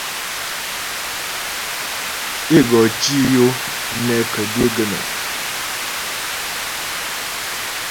É go tǐ yo nɛ kə̀dé gə̀nɔ́m.